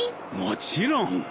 もちろん。